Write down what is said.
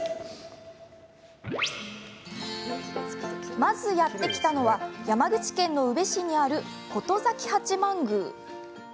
まず、やって来たのは山口県の宇部市にある琴崎八幡宮。